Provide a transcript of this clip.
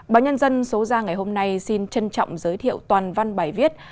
báo nhân dân số ra ngày hôm nay xin trân trọng giới thiệu toàn văn bài viết